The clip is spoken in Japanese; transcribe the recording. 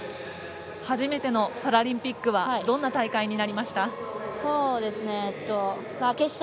初めてのパラリンピックはどんな大会になりました？